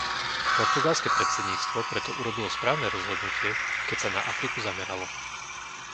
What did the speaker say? Portugalské predsedníctvo preto urobilo správne rozhodnutie, keď sa na Afriku zameralo.